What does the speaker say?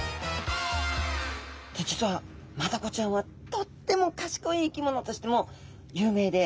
実はマダコちゃんはとっても賢い生き物としても有名で。